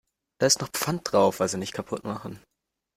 Da ist noch Pfand drauf, also nicht kaputt machen.